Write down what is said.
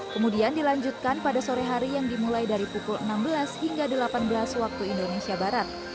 kemudian dilanjutkan pada sore hari yang dimulai dari pukul enam belas hingga delapan belas waktu indonesia barat